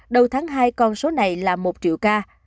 đầu tháng hai con số này là một triệu ca